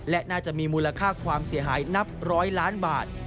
และน่าจะมีมูลค่าความเสียหายนับร้อยล้านบาท